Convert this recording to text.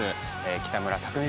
北村匠海